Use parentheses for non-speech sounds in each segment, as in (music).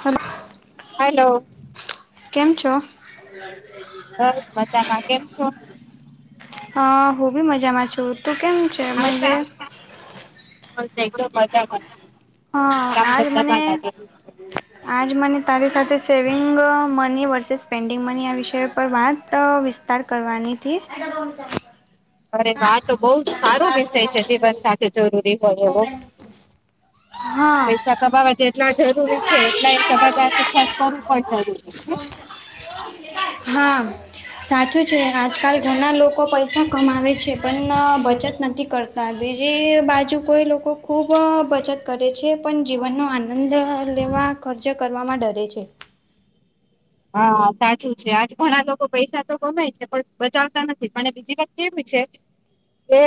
Hello, hello કેમ છો? બસ મજામાં કેમ છો? હા હું બી મજામાં છું તું કેમ છે મજે, હ છે તો મજામાં જ છું, હા કામ આજ કરતા મને પાડા ને જ, આજ મને તારી સાથે saving money versus spending money આ વિષય પર વાત વિસ તાર કરવાની તી, અરે વાહ! આ તો બઉ સારો વિષય છે જીવન સાથે જરૂરી હોય એવો, હા પૈસા કમાવા જેટલા જરૂરી છે એટલા એ સમાજાર ખર્ચ કરવું પણ જરૂરી છે. હા સાચું છે, આજકાલ ઘણા લોકો પૈસા કમાવે, છે, પન બચત નથી કરતા બીજી બાજુ કોઈ લોકો ખૂબ બચત, કરે છે પણ જીવનનો આનંદ લેવા ખર્ચો કરવામાં ડરે છે. હા સાચું છે, આજ ઘણા લોકો પૈસા તો કમાય છે પણ બચાવતા નથી પણ એ બીજી વાત કેવી છે. કે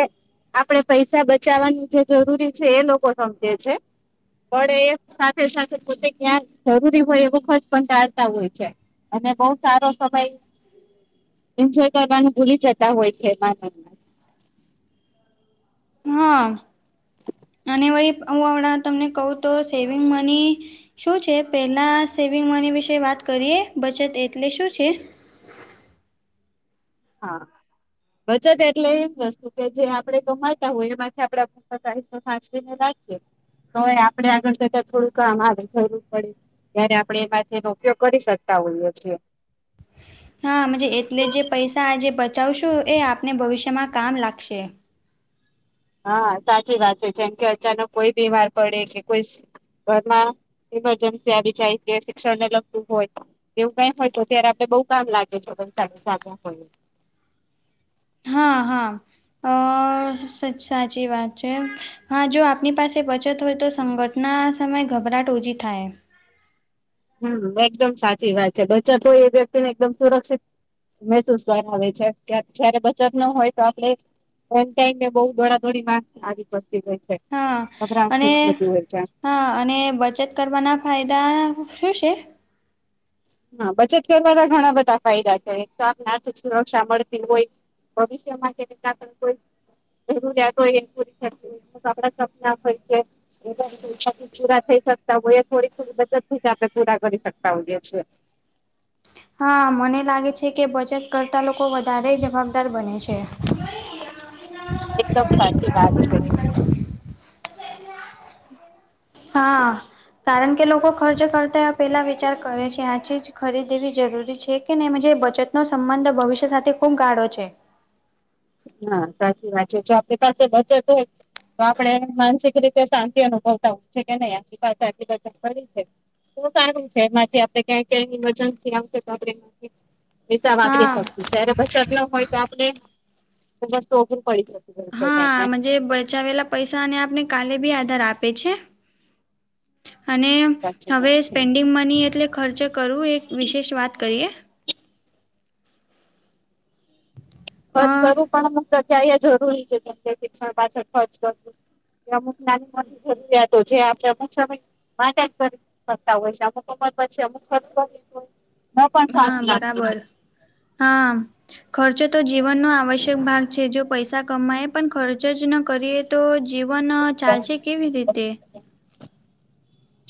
આપડે પૈસા બચાવવાની જે જરૂરી છે એ લોકો સમજે છે. પડે એ સાથે સાથે પોતે ક્યાંક જરૂરી હોય એવો ખર્ચ પણ ટાળતા હોય છે. અને બઉ સારો સમય એન્જોય કરવાનું ભૂલી જતા હોય છે માને, મ, હા અને વઇ હું અમણાં તમને કહું તો સેવિંગ મની, શું છે પહેલા સેવિંગ મની વિશે વાત કરીએ, બચત એટલે શું છે? હા બચત એટલે એજ વસ્તુ કે જે આપડે કમાતા હોય એમાંથી આપડા, અતારેથી સાચવીને રાખીએ, તો એ આપડે આગળ જતા થોડુંક કામ આવે જરૂર પડે. ત્યારે આપણે એમાંનો ઉપયોગ કરી શકતા હોઈએ છીએ. હા મજે એટલે જે પૈસા આજેે બચાવશું એ આપને ભવિષ્યમાં કામ લાગશે. હા સાચી વાત છે, જેમ કે અચાનક કોઈ બીમાર પડે કે કોઈ ઘરમાં ઇમરજન્સી આવી જાય કે શિક્ષણ ને લગતું હોય એવું કઈ હોય તો ત્યારે આપણે બહું કામ લાગે છે પણ (unintelligible) ચાલ હોય હા હા. અ સાચી વાત છે હા જો આપની પાસે બચત હોય તો સંકત ના સમયે ગભરાટ ઓછી થાય. હમ એકદમ સાચી વાત છે, બચત હોય તો એ વ્યક્તિ ને એકદમ સુરક્ષિત, મહેસૂસ (unintelligible) કરવાનું હોય છે કે જયારે બચત ન હોય તો આપણે, એ ટાઈમને બઉુ દોડા દોડી માર્ આવી પડતી હોય છે. હા, ગભરાટ અને થઈ જતી હોય છે હા અને બચત કરવાના ફાયદા શું છે? હા બચત કરવાના ઘણા બધા ફાયદા છે તો આપને આર્થિક સુરક્ષા મળતી હોય. ભવિષ્ય માટે ક કોઈ જરૂરિયાત હોય એ પૂરી ખર્ચ હો આપણા સપના હોય છે. થી પૂરા થઈ શકતા હોયએ થોડી થોડી મદદ થી આપણે પૂરા કરી શકતા હોઈએ. હા મને લાગે છે કે બચત કરતાં લોકો વધારે જવાબદાર બને છે. એકદમ સાચી વાત છે. હા. કારણ કે લોકો ખર્ચ કરતા એ પેલા વિચાર કરે છે આ ચીજ ખરીદવી જરૂરી છે કે ને એમાં જે બચત નો સંબંધ ભવિષ્ય સાથે ખૂબ ગાળો છે. હા સાચી વાત છે જો આપણી પાસે બચત હોય. તો આપડે માનસિક રીતે શાંતિ અનુભવતા હોય છે કે નહી આની પાસે આટલી બચત પડી છે. તો સારું છેમાંથી આપે ક્યા ઇમરજન્સી આવશેમાં. પૈસા વાપરી હા શકતું છે અ બચત ન હોય, તો આપણે વસ્તુઓ પડી રહે. હા આમાં જે બચાવેલા પૈસા અને આપને કાલે પણ આધાર આપે છે, અને સાચી હવે વાત છે. સ્પેન્ડિંગ મની એટલે ખર્ચ કરવું એક વિશેષ વાત કરીએ. ખર્ચ અ કરવું પણ જરૂરી છે કેમ કે શિક્ષણ પાછળ ખર્ચ કરવું. અમુક નાની જરૂરિયાતો જે આપણે અમુક સમય માટે જરી કરતા હોય છે અમુક અમર અમુક (unintelligible) હા પણ સારું લાગતો હતો. હા. ખર્ચો તો જીવનનો આવશ્યક ભાગ છે જો પૈસા કમાય પણ ખર્ચ જ ન કરીએ. તો જીવન ચાલશે કેવી રીતે?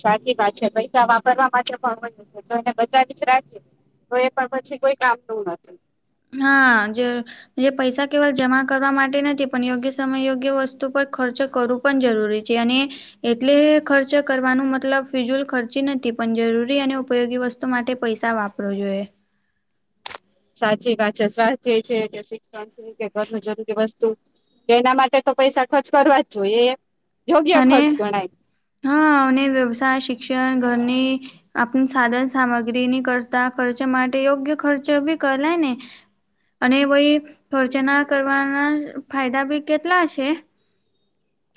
સાચી વાત છે પૈસા વાપરવા માટે પણ હોશે. તો એ પણ પછી કોઈ કામ ન નથી. હા જ પૈસા કેવલ જમા કરવા માટે નથી પણ યોગ્ય સમય યોગ્ય વસ્તુ પર ખર્ચ કરું. પણ જરૂરી છે અને એટલે ખર્ચ કરવાનો મતલબ ફિઝુલ ખર્ચી નથી પણ જરૂરી અને ઉપયોગી વસ્તુ માટે પૈસા વાપર આપો જોઈએ. સાચી પાછળ સ્વાથ્ય છે. કે ઘરનું જરૂરી વસ્તુ, એના માટે તો પૈસા ખર્ચ કરવા જ જોઈએ એમ. યોગ્ય અને ખર્ચ ગણાય. હા અને વ્યવસાય શિક્ષણ ઘરની આપણી સાધન સામગ્રી ની કરતા ખર્ચા માટે યોગ્ય ખર્ચ પણ કરાય ને. અને ભાઈ ખર્ચના કરવાના ફાયદા પણ કેટલા છે?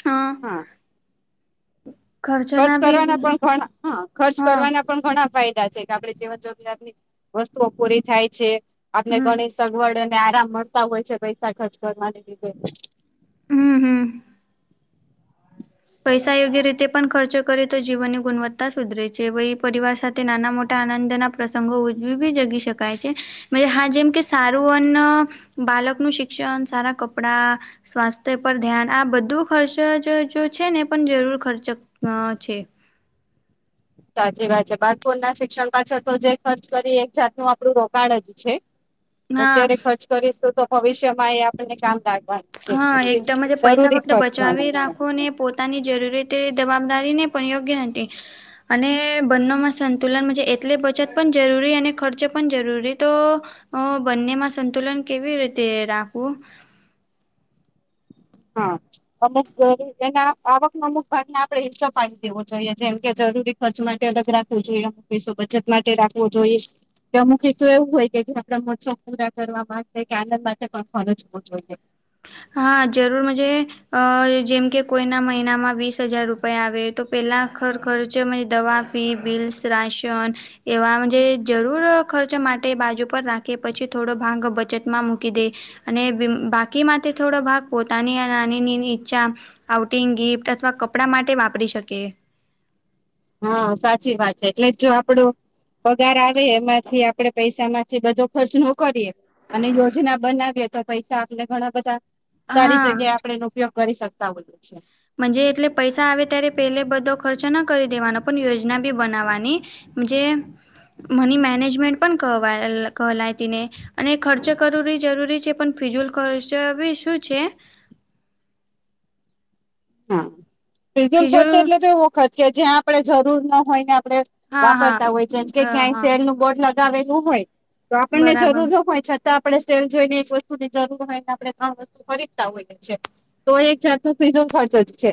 હા. ખર્ચ કરવાના પણ ઘણા હા ખર્ચ હા કરવાના પણ ઘણા ફાયદા છે કે આપણે જીવન જરૂરિયાત ની આપની વસ્તુઓ પૂરી થાય છે, આપને હમ ગણી સગવડ અને આરામ મળતા હોય છે પૈસા ખર્ચ કરવાની લીધે. હમ હમ. પૈસા યોગ્ય રીતે પણ ખર્ચો કરે તો જીવનની ગુણવત્તા સુધરે છે વ પરિવાર સાથે નાના મોટા આનંદના પ્રસંગો ઉજવી બી જગી શકાય છે. હા જેમ કે સારું અન્ન બાલકનું શિક્ષણ સારા કપડા સ્વાસ્થ્ય પર ધ્યાન આ બધું ખર્ચ જ જો. છે ને પણ જરૂર ખર્ચો ક અ છે. સાચી વાત છે, બાળકોણ ના શિક્ષણ પાછળ તો જે ખર્ચ કરી એક જાતનું આપડું રોકાણ જ છે, હા અત્યારે ખર્ચ કરીશું તો ભવિષ્યમાં એ આપણને કામ લાગવાનું. હા, છે એકદમ જ પૈસા જરૂરી વખાતે ખર્ચ ગણાય બચાવી છે રાખો ને પોત તાની જરૂર રીતે જવાબદારી ને પણ યોગ્ય નથી. અને બંનેમાં સંતુલન છે એટલે બચત પણ જરૂરી અને ખર્ચો પણ જરૂરી તો અ બંનેમાં સંતુલન કેવી રીતે રાખવું? હા. અમુક એના આવક ના અમુક ભાગને આપણે હિસ્સો પાડી દેવો જોઈએ જેમ કે જરૂરી ખર્ચ માટે અલગ રાખવો જોઈએ, પૈસો બચત માટે રાખવો જોઈએ. કે અમુક હિસ્સો એવું હોય કે જે આપડા મોજ શોખ પૂરા કરવા માટે કે આનંદ માટે પણ ખરચવો જોઈએ. હા જરૂર મજે. અ જેમ કે કોઈના મહિનામાં વીસ હજાર રૂપિયા આવે તો પેલા ઘરખર્ચમાંથી દવા ફી, બિલ્સ, રાશન એવા જે જરૂર ખર્ચ માટે બાજુ પર રાખે, પછી થોડો ભાંગ બચતમાં મૂકી દે. અને બાકીમાંથી થોડો ભાગ પોતાની અને (unintelligible) ઈચ્છા આઉટિંગ, ગિફ્ટ અથવા કપડા માટે વાપરી શકીએ. હા સાચી વાત છે એટલે જો આપડું પગાર આવે એમાંથી આપડે પૈસામાંથી બધો ખર્ચ ન કરીએ. અને યોજના બનાવીએ તો પૈસા આપીને ઘણા બધા સારી હા જગ્યાએ આપડે એનો ઉપયોગ કરી શકતા હોઈએ છીએ. મન્જે એટલે પૈસા આવે ત્યારે પેલે બધો ખર્ચો ન કરી દેવાનો પણ યોજના બી બનાવવાની. જે મની મેનેજમેન્ટ પણ ક કહેલાયતી ને અને ખર્ચો કરવો જરૂરી છે પણ ફિજુલ ખર્ચો બી શું છે? હા, ફીજુલ ફિજુલ ખર્ચો એટલે તો એવો ખર્ચ કે જ્યાં આપણે જરૂર ના હોય ને આપડે હા વાપરતા હોય જેમ કે હા ક્યાંય હા સેલ નું બોર્ડ લગાવેલું હોય તો આપણને જરૂર બરાબર ન હોય છત તા આપણે સેલ જોઈ ને એક વસ્તુની જરૂર હોય ને આપણે તણ વસ્તુ ખરીદતા હોઈએ છીએ. તો એક જાતનો પીઝો ખર્ચ જ છે,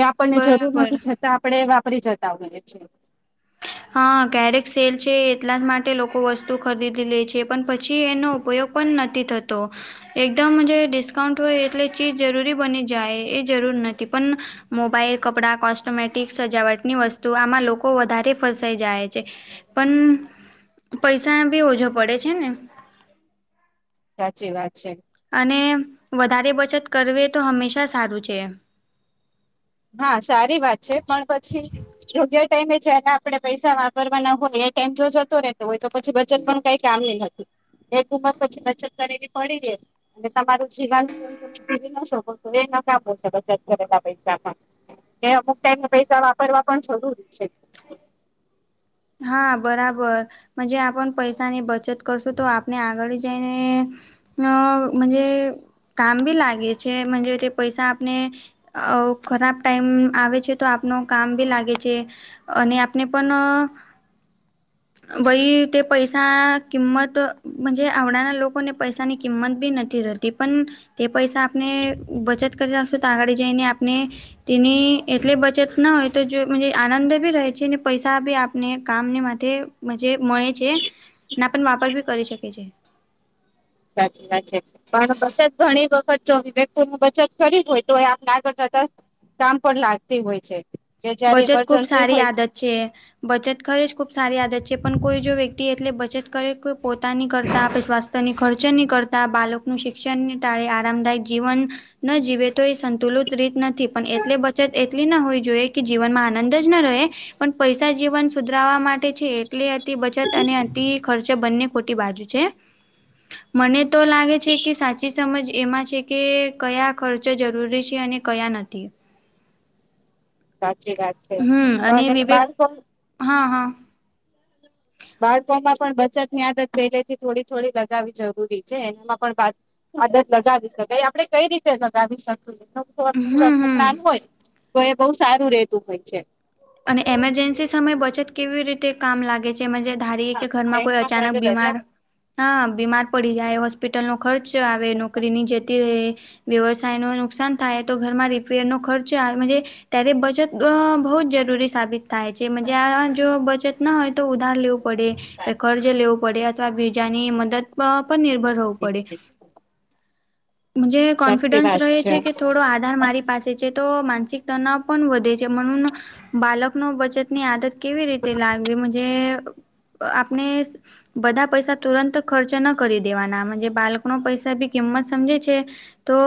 જે આપણને જરૂર બરાબર નથી છતાં આપણે વાપરી જતા હોઈએ છીએ. હા ક્યારેક સેલ છે એટલા જ માટે લોકો વસ્તુ ખરીદી લે છે પણ પછી એનો ઉપયોગ પણ નથી થતો. એકદમ જે ડિસ્કાઉન્ટ હોય એટલે ચીજ જરૂરી બની જાય એ જરૂર નથી પણ મોબાઈલ, કપડાં, કોસ્ટમેટિક, સજાવટની વસ્તુ આમાં લોકો વધારે ફસાઈ જાય છે, પણ પૈસા એમ બી ઓછા પડે છે ને સાચી વાત છે. અને વધારે બચત કરવી એ તો હંમેશા સારું છે. હા સારી વાત છે, પણ પછી યોગ્ય ટાઈમે જયારે આપડે પૈસા વાપરવાના હોય એ ટાઈમ જો જતો રહેતો હોય તો પછી બચત પણ કઈ કામની નથી. એક ઉંમર પછી બચત કરેલી પડી રે ને તમારું જીવન જીવી ન શકો (unintelligible) છે બચત કરેલા પૈસા પણ ને અમુક ટાઈમ પૈસા વાપરવા પણ જરૂરી છે. હા બરાબર હજી આપણ પૈસા ની બચત કરશું તો આપને આગળ જઈને. કામ ભી લાગે છે તે પૈસા આપને. અ ખરાબ ટાઈમ આવે છે તો આપનું કામ ભી લાગે છે. અને આપને પણ વય તે પૈસા કિંમત માંજે આવડાના લોકોને પૈસાની કિંમતભી નથી રહેતી. તે પણ તે પૈસા આપણે બચત કરી રાખશો તો આગળ જઈને આપણે. તેની એટલે બચત મેજ ના હોય તો જો આનંદ માભી રહે છે ને પૈસાભી આપને કામ ને મા મજે જ મળે છે, ના પણ વાપર વાપરભી કરી શકે છે. સાચચા (unintelligible) પણ બચત ઘણી વખત જો વિવ્યક્તિ ન બચત કરવી હોય તો આપને આગળ જતા કામ પણ લાગતી હોય છે, કે જયારે બચત ખૂબ ઇમરજન્સી સારી હોય. આદત છે. બચત કરે છે ખુબ સારી આદત છે પણ કોઈ જો વ્યક્તિ એટલે બચત કરે પોતાની કરતા આપશ્વાસ તેનો ખર્ચ નીકળતા બાળકનું શિક્ષણ તારે આરામદાયક જીવન. ના જીવે તો એ સંતુલિત રીત નથી પણ એટલે બચત એટલી ના હોવી જોઈએ. કે જીવનમાં આનંદ જ ન રહે. પણ પૈસા જીવન સુધરાવા માટે છે એટલે અતિ બચત અને અતિ ખર્ચ બંને ખોટી બાજુ છે. (inaudible) મનેતો લાગે છે કે સાચી સમજ એમાં છે કે કયા ખર્ચ જરૂરી છે અને કયા નથી. સાચી વાત છે, હમ અને પણ એ વિવેક હા હા. બાળકોમાં પણ બચતની આદત પેલેથી થોડી થોડી લગાવવી જરૂરી છે, એનામાં પણ આદત લગાવી શકાય આપણે કઈ રીતે લગાવી શકી જો હમ હમ જ્ઞાન હોય, તો એ બહુ સારું રેતું હોય છે. અને એમરજન્સી સમયે બચત કેવી રીતે કામ લાગે છે હા ધારીકે ઘરમાં કોઈ બેંકમાં તો અચાનક આજે બીમાર રજા હા બીમાર પડી જાય હોસ્પિટલનો ખર્ચ આવે નોકરી જતી રહે. વ્યવસાયનું નુકસાન થાયતો ઘરમાં રિપેરનો ખર્ચ આવે. ત્યારે બચત બહુ જરૂ જરૂરી સાબિત થાય છે આજો બચત ના હોય તો ઉધાર લેવું પડે, ને કર્જ લેવું પડે અથવા બીજાની મદદ પર નિર્ભર રેવું પડે. મંજે સાચી કોન્ફિડન્સ વાત રહે છે છેકે થોડો આધાર મારી પાસે છેતો માનસિક તણાવ પણ વધે છે, બાળકનો બચતની આદત કેવી રીતે લાગવી મંજે આપણે બધા પૈસા તુરંત ખર્ચ ન કરી દેવાના બાળકનો પૈસાભી કિંમત સમજે છે. તો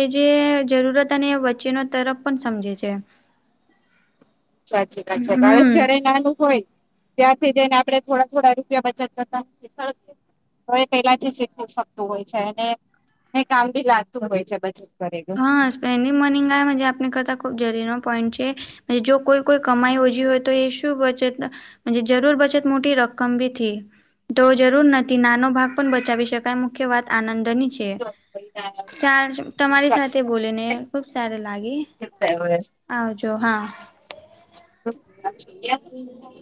એ જે જરૂરત અને વચ્ચેનો તરફ પણ સમજે છે. (inaudible) સાચી છે બાળક જયારે હમ નાનું હોય. ત્યાારથી જઈને આપણે થોડા થોડા રૂપિયા બચત કરતાનું છે. હ પેલાથી શીખવું શકતું હોય છે અને, એ કામભી લાગતું હોય છે બધું. હા સ્પેન્ડિ મર્નિંગાયજ આપણે કરતા ખૂબ જ જરૂરી પોઈન્ટ છે. જો કોઈ કોઈ કમાઈ ઓછી હોય તો એ શું બચત જરૂર બચત મોટી રક્મભી થી. તો જરૂર નથી નાનો ભાગ પણ બચાવી શકાય મુખ્ય વાત આનંદની છે. ચાર્જ તમારી સાથે બોલીને ખુબ સારી લાગે આવજો હા (unintelligible)